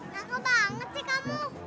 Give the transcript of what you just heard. kaget banget sih kamu